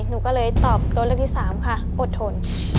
หนูก็เลยตอบตัวเลือกที่๓ค่ะอดทน